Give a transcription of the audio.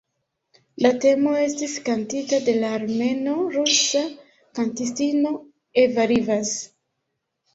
La temo estis kantita de la armeno-rusa kantistino Eva Rivas.